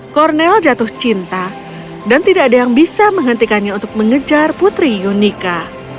kornel jatuh cinta dan tidak ada yang bisa menghentikannya untuk mengejar putri yunika